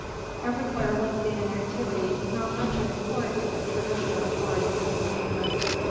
Everywhere was seen an activity not much in accord with the traditional Oriental idleness.